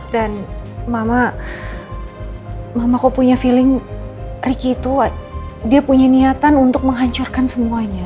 dan mama mama kok punya feeling riki itu dia punya niatan untuk menghancurkan semuanya